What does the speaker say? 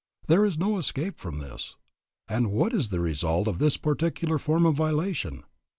There is no escape from this. And what is the result of this particular form of violation?